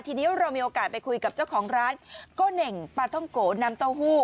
ทีนี้เรามีโอกาสไปคุยกับเจ้าของร้านโก้เน่งปลาท่องโกะน้ำเต้าหู้